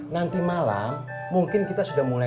nanti malam mungkin kita sudah mulai